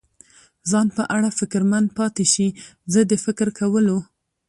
ځان په اړه فکرمند پاتې شي، زه د فکر کولو.